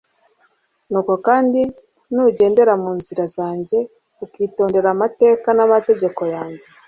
nuko kandi, nugendera mu nzira zanjye ukitondera amateka n'amategeko yanjye